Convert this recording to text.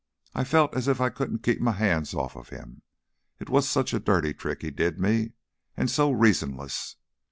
I felt as if I couldn't keep my hands off him. It was such a dirty trick he did me and so reasonless!